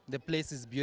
tempat ini indah